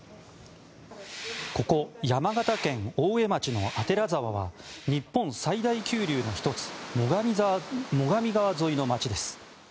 ここ、山形県大江町の左沢は日本最大級流の１つ最上川沿いの町です。